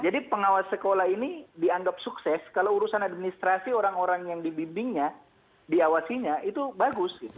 jadi pengawas sekolah ini dianggap sukses kalau urusan administrasi orang orang yang dibimbingnya diawasinya itu bagus